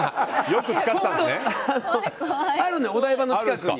よく使っていたんですか。